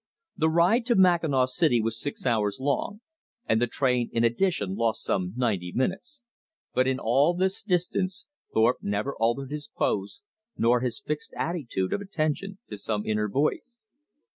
The ride to Mackinaw City was six hours long, and the train in addition lost some ninety minutes; but in all this distance Thorpe never altered his pose nor his fixed attitude of attention to some inner voice.